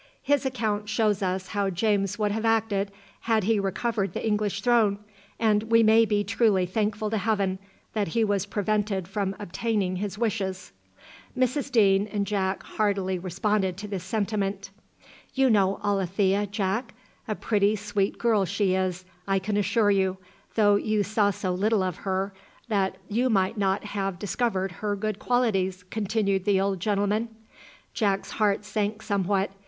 His account shows us how James would have acted had he recovered the English throne, and we may be truly thankful to heaven that he was prevented from obtaining his wishes." Mrs Deane and Jack heartily responded to this sentiment. "You know Alethea, Jack? a pretty, sweet girl she is, I can assure you; though you saw so little of her, that you might not have discovered her good qualities," continued the old gentleman. Jack's heart sank somewhat.